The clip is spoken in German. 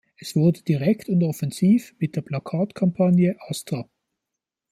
Es wurde direkt und offensiv mit der Plakatkampagne „Astra.